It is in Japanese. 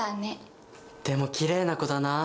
でもきれいな子だなあ。